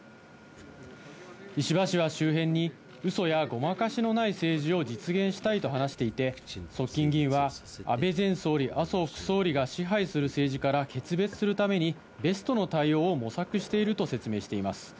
石破氏は周辺に、うそやごまかしのない政治を実現したいと話していて、側近議員は、安倍前総理、麻生副総理が支配する政治から決別するために、ベストの対応を模索していると説明しています。